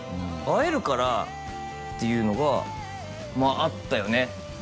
会えるからっていうのがまああったよね